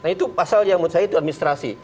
nah itu pasal yang menurut saya itu administrasi